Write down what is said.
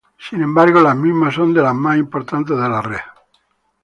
Sin embargo, las mismas son de las más importantes de la red.